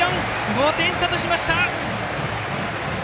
５点差としました！